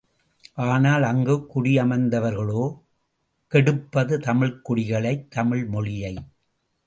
ஆனால் அங்குக் குடியமர்ந்தவர்களோ கெடுப்பது தமிழ்க்குடிகளை தமிழ் மொழியை!